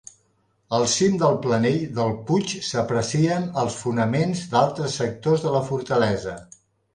Al cim del planell del puig s'aprecien els fonaments d'altres sectors de la fortalesa.